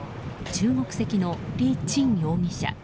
中国籍のリ・チン容疑者。